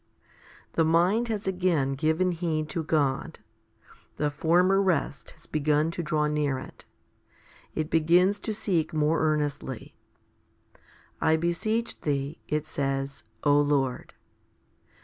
8. The mind has again given heed to God. The former rest has begun to draw near it. It begins to seek more earnestly. "I beseech Thee," it says, "O Lord."